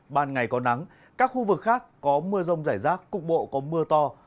ban ngày có nắng các khu vực khác có mưa rông rải rác cục bộ có mưa to